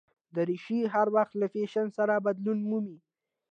دریشي هر وخت له فېشن سره بدلون مومي.